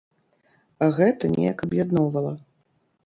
А гэта неяк аб'ядноўвала.